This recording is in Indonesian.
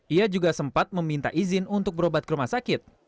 ia juga sempat meminta izin untuk berobat ke rumah sakit